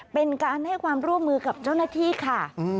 เป็นการให้ความร่วมมือกับเจ้าหน้าที่ค่ะ